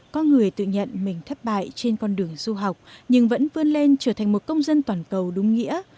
có người tự nhận mình thất bại trên con đường du học nhưng vẫn vươn lên trở thành một công dân toàn cầu đúng nghĩa